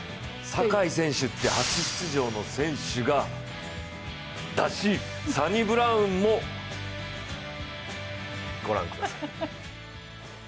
坂井選手って初出場の選手がだし、サニブラウンも御覧ください。